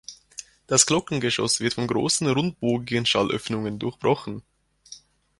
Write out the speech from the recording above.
Das Glockengeschoss wird von großen rundbogigen Schallöffnungen durchbrochen.